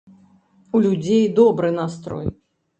У людзей добры настрой.